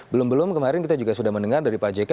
belum belum kemarin kita juga sudah mendengar dari pak jk